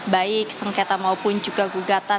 baik sengketa maupun juga gugatan